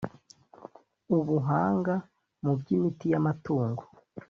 Ubuhanga mu by imiti y amatungo